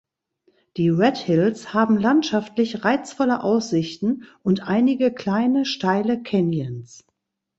Die Red Hills haben landschaftlich reizvolle Aussichten und einige kleine steile Canyons.